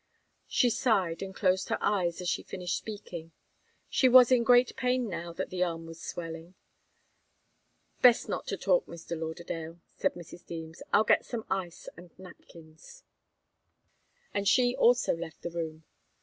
She sighed and closed her eyes, as she finished speaking. She was in great pain now that the arm was swelling. "Best not talk, Mr. Lauderdale," said Mrs. Deems. "I'll get some ice and napkins." And she also left the room.